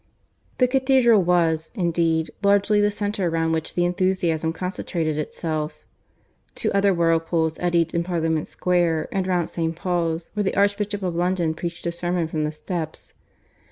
The cathedral was, indeed, largely, the centre round which the enthusiasm concentrated itself. Two other whirlpools eddied in Parliament Square, and round St. Paul's, where the Archbishop of London preached a sermon from the steps.